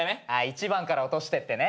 １番から落としてってね。